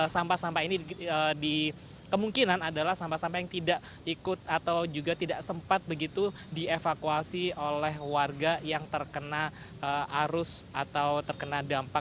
sampah sampah ini di kemungkinan adalah sampah sampah yang tidak ikut atau juga tidak sempat begitu dievakuasi oleh warga yang terkena arus atau terkena dampak